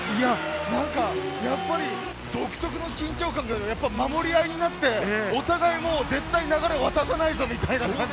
やっぱり独特の緊張感が、守り合いになってお互い絶対、流れを渡さないぞみたいな。